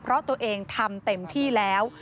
เพราะตัวเองทำเต็มที่แล้ว